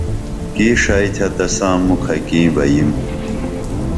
کی ݜئی تھے تساں مُکھہ کیں بہ یِم